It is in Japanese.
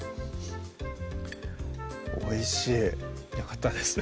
おいしいよかったです